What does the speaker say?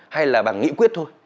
hay là bằng nghĩ quyết thôi